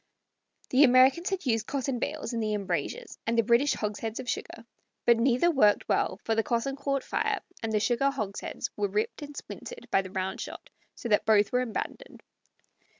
The Americans had used cotton bales in the embrasures, and the British hogsheads of sugar; but neither worked well, for the cotton caught fire and the sugar hogsheads were ripped and splintered by the roundshot, so that both were abandoned.